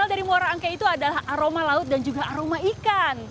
asal dari muara angke itu adalah aroma laut dan juga aroma ikan